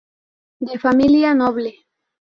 De familia noble.